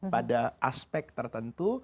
pada aspek tertentu